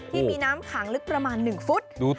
ที่มีน้ำขังลึกประมาณ๑ฟุต